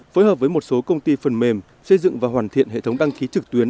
phối hợp với một số công ty phần mềm xây dựng và hoàn thiện hệ thống đăng ký trực tuyến